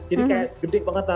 jadi kayak gede banget lah